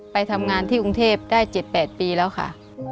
ไปทำงานที่กรุงเทพได้๗๘ปีแล้วค่ะ